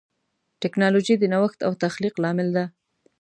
ټکنالوجي د نوښت او تخلیق لامل ده.